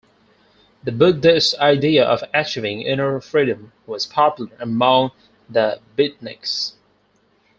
The Buddhist idea of achieving inner freedom was popular among the Beatniks.